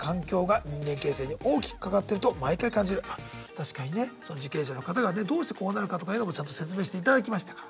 あ確かにねその受刑者の方がねどうしてこうなるかとかいうのもちゃんと説明していただきましたから。